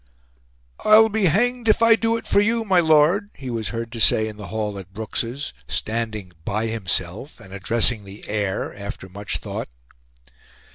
"I'll be hanged if I do it for you, my Lord," he was heard to say in the hall at Brooks's, standing by himself, and addressing the air after much thought.